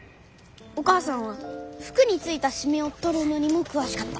お母さんは服についたシミを取るのにも詳しかった。